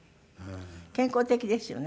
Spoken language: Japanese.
健康的ですよね。